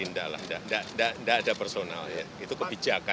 tidak ada personal itu kebijakan